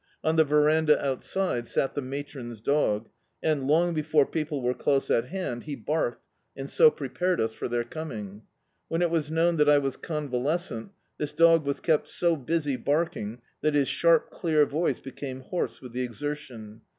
On the ve randah outside sat the matron's dog, and, long be fore people were close at hand, he barked, and so prepared us for their coming. When it was known that I was convalescent, this dog was kept so busy barking that his sharp clear voice became hoarse with the exertion.